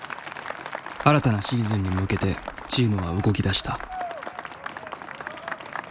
新たなシーズンに向けてチームは動きだした。